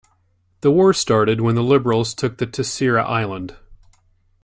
The War started when the Liberals took the Terceira island.